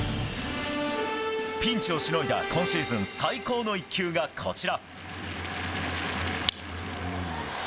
ピンチをしのいだ今シーズン最高の一球がこちら。